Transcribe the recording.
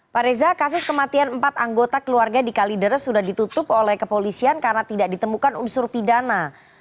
pak reza kasus kematian empat anggota keluarga di kalideres sudah ditutup oleh kepolisian karena tidak ditemukan unsur pidana